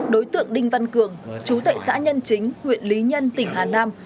đối tượng đinh văn cường chú tại xã nhân chính huyện lý nhân tỉnh hà nam